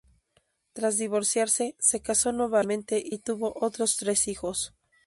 Tras divorciarse, se casó nuevamente y tuvo otros tres hijos.